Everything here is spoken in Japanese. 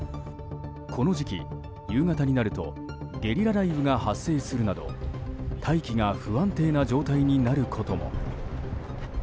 この時期、夕方になるとゲリラ雷雨が発生するなど大気が不安定な状態になることも。